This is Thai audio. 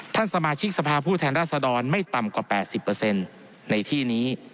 สมาชิกสภาพผู้แทนราษฎรไม่ต่ำกว่า๘๐ในที่นี้